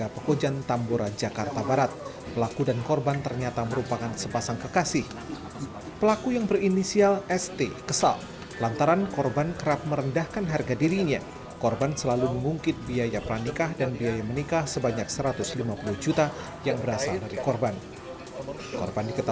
pembunuhan yang terjadi di pantai karang serang